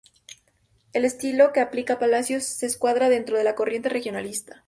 El estilo que aplica Palacios se encuadra dentro de la corriente regionalista.